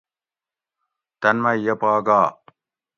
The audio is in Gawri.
تن مئ یہ پا گا